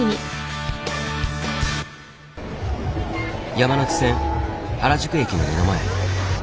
山手線原宿駅の目の前。